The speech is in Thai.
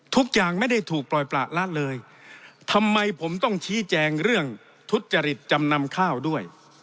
ทุกอย่างไม่ได้ถูกปล่อยประละเลยทำไมผมต้องชี้แจงเรื่องทุจริตจำนำข้าวด้วย